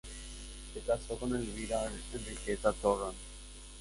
Se casó con Elvira Enriqueta Torrent.